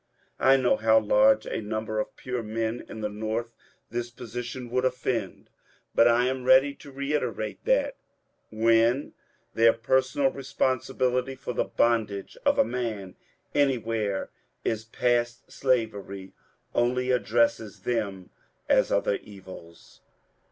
I know how large a niunber of pure men in the North this position will offend. But I am ready to reiterate that, when their personal responsibility for the bondage of a man any where is past, slavery only addresses them as other evils.